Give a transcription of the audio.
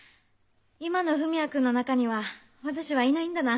「今の文也君の中には私はいないんだな」